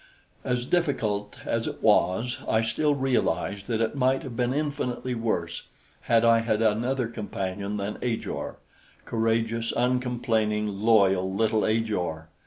As difficult as it was, I still realized that it might have been infinitely worse had I had another companion than Ajor courageous, uncomplaining, loyal little Ajor!